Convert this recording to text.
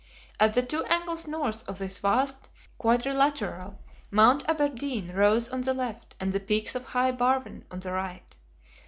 At the two angles north of this vast quadrilateral, Mount Aberdeen rose on the left, and the peaks of High Barven on the right.